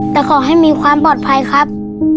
แต่ขอให้มีความปลอดภัยครับ